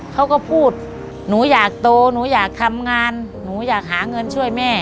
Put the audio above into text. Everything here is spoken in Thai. เขาก็พูดหนูอยากโตหนูอยากทำงานหนูอยากหาเงินช่วยแม่